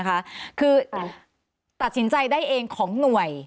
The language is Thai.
คือตัดสินใจได้เองของหน่วย